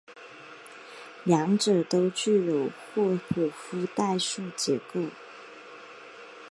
两者都具有霍普夫代数结构。